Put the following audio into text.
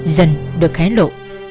dần được hé lộ